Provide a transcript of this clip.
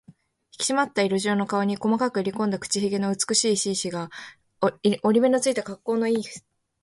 ひきしまった色白の顔に、細くかりこんだ口ひげの美しい紳士が、折り目のついた、かっこうのいい背広服を着て、にこにこ笑いながらこちらを見ているのです。